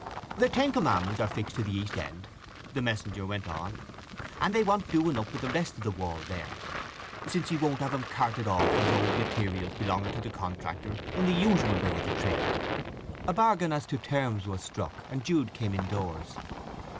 "The Ten Commandments are fixed to the east end," the messenger went on, "and they want doing up with the rest of the wall there, since he won't have them carted off as old materials belonging to the contractor in the usual way of the trade." A bargain as to terms was struck, and Jude came indoors.